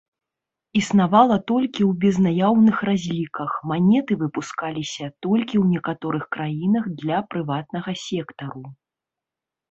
Існавала толькі ў безнаяўных разліках, манеты выпускаліся толькі ў некаторых краінах для прыватнага сектару.